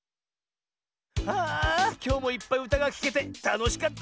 あきょうもいっぱいうたがきけてたのしかったぜ！